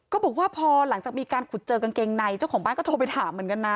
ก็บอกว่าพอหลังจากมีการขุดเจอกางเกงในเจ้าของบ้านก็โทรไปถามเหมือนกันนะ